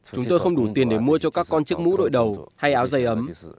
chúng tôi không đủ tiền để mua cho các con chiếc mũ đội đầu hay áo dày ấm